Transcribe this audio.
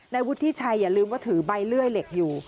วุฒิชัยอย่าลืมว่าถือใบเลื่อยเหล็กอยู่